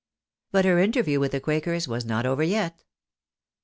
But her interview with the quakers was not over yet.